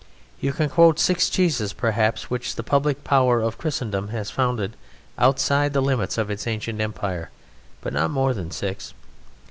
You can quote six cheeses perhaps which the public power of Christendom has founded outside the limits of its ancient Empire but not more than six.